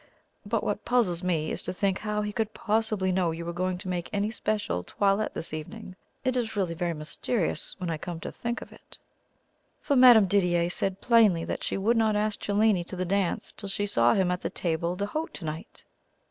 But what puzzles me is to think how he could possibly know you were going to make any special 'toilette' this evening. It is really very mysterious when I come to think of it, for Madame Didier said plainly that she would not ask Cellini to the dance till she saw him at the table d'hote to night."